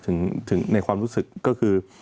ถึงในความรู้สึกก็คือ